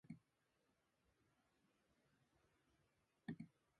なあにおれなんざ、どこの国へ行ったって食い物に不自由はしねえつもりだ